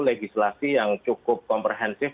legislasi yang cukup komprehensif